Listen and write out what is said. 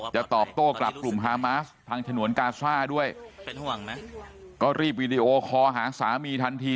จะตอบโต้กลับกลุ่มฮามาสทางฉนวนกาซ่าด้วยก็รีบวีดีโอคอลหาสามีทันที